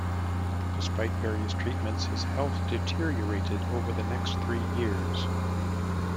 Despite various treatments, his health deteriorated over the next three years.